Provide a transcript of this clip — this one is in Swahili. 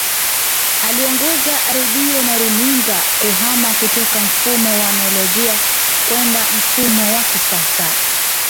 Aliongoza Redio na runinga kuhama kutoka mfumo wa anolojia kwenda mfumo wa kisasa